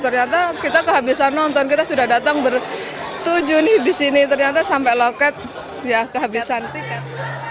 ternyata kita kehabisan nonton kita sudah datang bertujuh nih di sini ternyata sampai loket ya kehabisan tiket